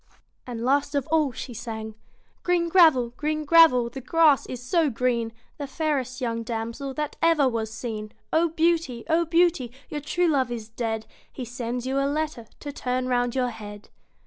And last of all she sang Green gravel ! Green gravel 1 The grass is so green, The fairest young damsel That ever was seen. O Beauty ! O Beauty ! Your true love is dead, He sends you a letter To turn round your head.